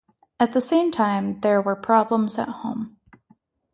At the same time there were problems at home.